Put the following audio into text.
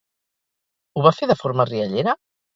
Ho va fer de forma riallera?